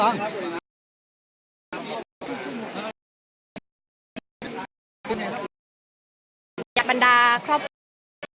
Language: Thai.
มีแต่โดนล้าลาน